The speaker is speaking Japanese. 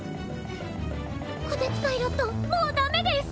こてつパイロットもうダメです。